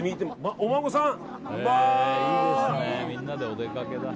お孫さん？